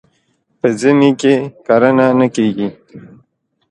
په ژمي کي کرنه نه کېږي.